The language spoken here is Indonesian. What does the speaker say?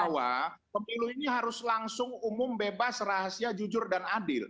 bahwa pemilu ini harus langsung umum bebas rahasia jujur dan adil